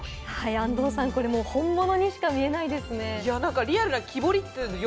安藤さん、これ本物にしか見えないですね。